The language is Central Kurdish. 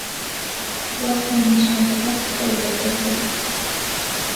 وا خۆی نیشان دەدا کە خەوی لێ کەوتووە.